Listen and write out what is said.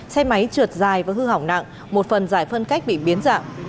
xe máy trượt dài và hư hỏng nặng một phần giải phân cách bị biến dạng